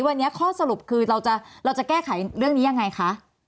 วันนี้ข้อสรุปคือเราจะแก้ไขเรื่องนี้ยังไงคะ